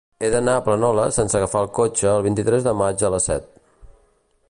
He d'anar a Planoles sense agafar el cotxe el vint-i-tres de maig a les set.